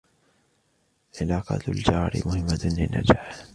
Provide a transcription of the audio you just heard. عِلاقاتُ الجارِ مُهِمّةٌ لِلنجاحِ